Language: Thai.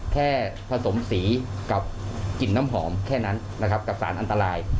แค่ผสมสีกับกลิ่นน้ำหอมแค่นั้นนะครับกับสารอันตราย